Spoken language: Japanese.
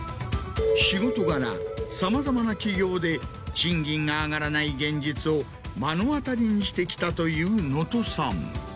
仕事柄さまざまな企業で賃金が上がらない現実を目の当たりにしてきたという能登さん。